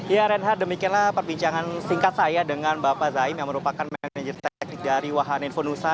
ya renhard demikianlah perbincangan singkat saya dengan bapak zahim yang merupakan manajer teknik dari wahanin funusa